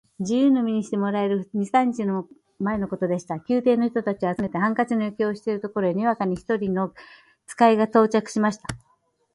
自由の身にしてもらえる二三日前のことでした。宮廷の人たちを集めて、ハンカチの余興をしているところへ、にわかに一人の使が到着しました。